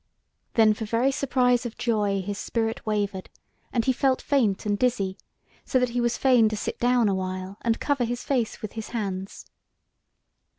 Then for very surprise of joy his spirit wavered, and he felt faint and dizzy, so that he was fain to sit down a while and cover his face with his hands.